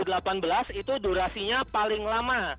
kalau dua ribu delapan belas itu durasinya paling lama